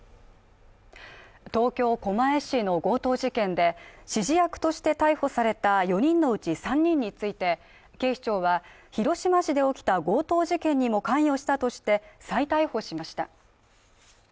東京狛江市の強盗事件で、指示役として逮捕された４人のうち３人について、警視庁は、広島市で起きた強盗事件にも関与したとして再逮捕しました。